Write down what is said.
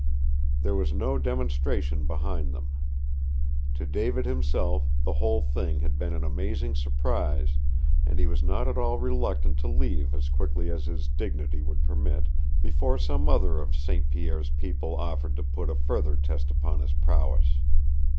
There was no demonstration behind them. To David himself the whole thing had been an amazing surprise, and he was not at all reluctant to leave as quickly as his dignity would permit, before some other of St. Pierre's people offered to put a further test upon his prowess.